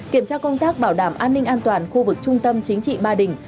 kiểm tra công tác bảo đảm an ninh an toàn khu vực trung tâm chính trị ba đình